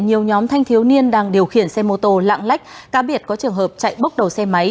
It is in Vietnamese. nhiều nhóm thanh thiếu niên đang điều khiển xe mô tô lạng lách cá biệt có trường hợp chạy bốc đầu xe máy